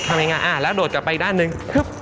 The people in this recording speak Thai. ทำง่ายแล้วโดดกลับไปอีกด้านนึง